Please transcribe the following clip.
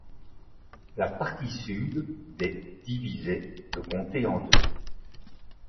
La partie sud des divisait le comté en deux.